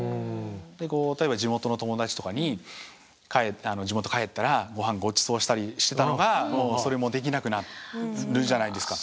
例えば地元の友達とかに地元帰ったらごはんごちそうしたりしてたのがそれもできなくなるじゃないですか。